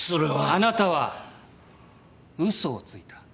あなたは嘘をついた。